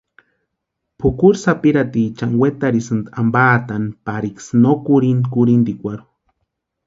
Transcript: Pʼukuri sapirhatiechani wetarhisïnti ampantaani pariksï no kurhini kurhintikwarhu.